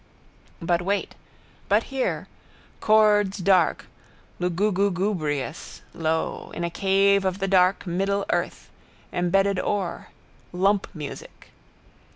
But wait. But hear. Chords dark. Lugugugubrious. Low. In a cave of the dark middle earth. Embedded ore. Lumpmusic.